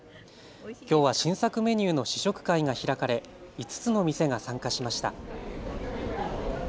きょうは新作メニューの試食会が開かれ５つの店が参加しました。